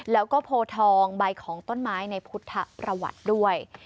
แล้วก็โพทองใบของต้นไม้ในพุทธประวัติด้วย